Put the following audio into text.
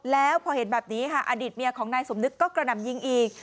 แล้วพอเห็นแบบนี้ค่ะอดีตเมียของนายสมนึกก็กระหน่ำยิงอีก